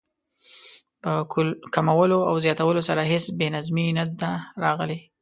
په کمولو او زیاتولو سره هېڅ بې نظمي نه ده راغلې.